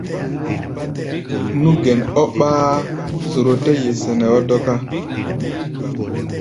Nú gɛn ɔ́ ɓáá, zoro tɛ́ ye sɛnɛ ɔ́ dɔ́ká.